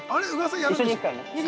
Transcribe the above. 一緒に行くからね。